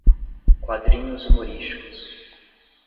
Quadrinhos humorísticos